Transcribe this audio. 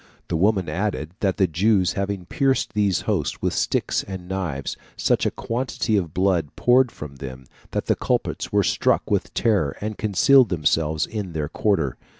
The woman added, that the Jews having pierced these hosts with sticks and knives, such a quantity of blood poured from them that the culprits were struck with terror, and concealed themselves in their quarter.